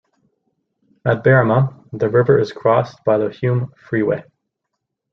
At Berrima, the river is crossed by the Hume Freeway.